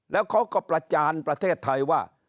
แล้วเขาก็ประจานประเทศไทยว่า